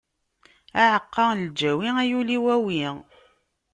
Aɛeqqa n lǧawi, a yul-iw awi!